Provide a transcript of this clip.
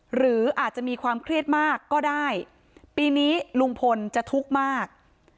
หรืออาจจะมีความเครียดมากก็ได้ปีนี้ลุงพลจะทุกข์มาก